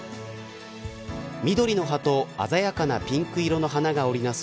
緑の葉と鮮やかなピンク色の花が織りなす